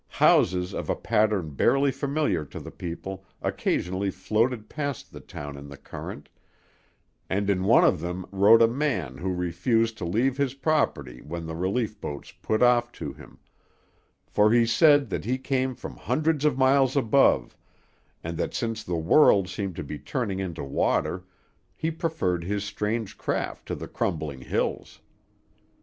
Houses of a pattern barely familiar to the people occasionally floated past the town in the current, and in one of them rode a man who refused to leave his property when the relief boats put off to him; for he said that he came from hundreds of miles above, and that since the world seemed to be turning into water, he preferred his strange craft to the crumbling hills.